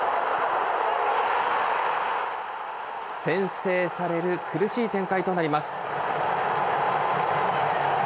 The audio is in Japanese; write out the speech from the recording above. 先制される苦しい展開となります。